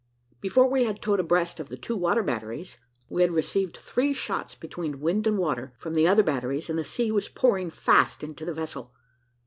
Before we had towed abreast of the two water batteries, we had received three shots between wind and water, from the other batteries, and the sea was pouring fast into the vessel.